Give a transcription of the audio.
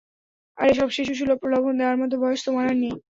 আর এসব শিশুসুলভ প্রলোভন দেয়ার মতো বয়স তোমার আর নেই।